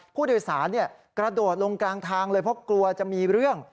ผู้โดยสารกระโดดลงกลางทางเลยเพราะกลัวจะมีเรื่อง